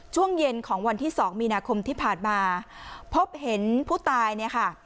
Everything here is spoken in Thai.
ช่วงเย็นของวันที่สองมีนาคมที่ผ่านมาพบเห็นผู้ตายเนี่ยค่ะ